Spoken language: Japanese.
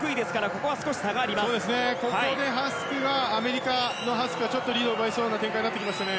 ここでアメリカのハスクがちょっとリードを奪いそうな展開になってきましたね。